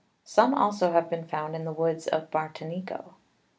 Some also have been found in the Woods of Martinico.